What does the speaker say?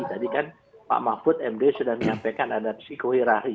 tadi kan pak mahfud md sudah menyampaikan ada psikohirahi